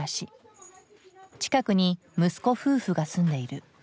近くに息子夫婦が住んでいる。